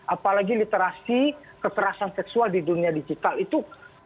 apalagi literasi kekerasan seksual di dunia digital itu